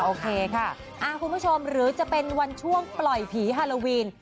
โอเคค่ะคุณผู้ชมหรือจะเป็นวันช่วงปล่อยผีฮาโลวีน